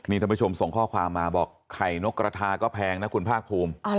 นี่ท่านผู้ชมส่งข้อความมาบอกไข่นกกระทาก็แพงนะคุณภาคภูมิ